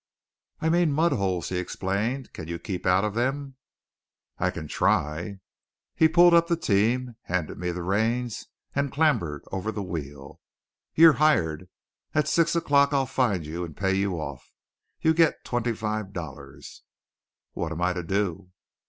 "I mean mudholes," he explained. "Can you keep out of them?" "I can try." He pulled up the team, handed me the reins, and clambered over the wheel. "You're hired. At six o'clock I'll find you and pay you off. You get twenty five dollars." "What am I to do?"